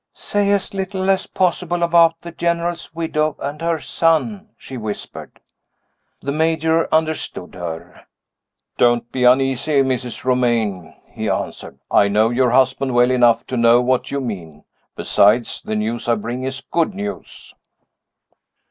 "Say as little as possible about the General's widow and her son," she whispered. The Major understood her. "Don't be uneasy, Mrs. Romayne," he answered. "I know your husband well enough to know what you mean. Besides, the news I bring is good news."